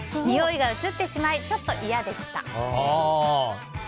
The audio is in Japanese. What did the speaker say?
においが移ってしまいちょっといやでした。